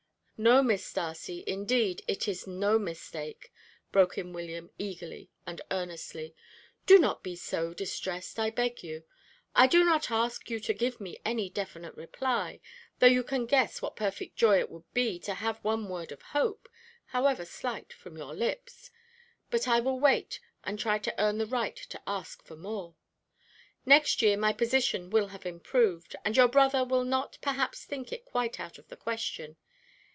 "No, Miss Darcy, indeed, it is no mistake," broke in William eagerly and earnestly. "Do not be so distressed, I beg you. I do not ask you to give me any definite reply, though you can guess what perfect joy it would be to have one word of hope, however slight, from your lips but I will wait and try to earn the right to ask for more. Next year my position will have improved, and your brother will not perhaps think it quite out of the question.